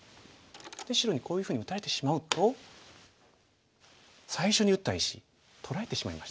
で白にこういうふうに打たれてしまうと最初に打った石取られてしまいましたね。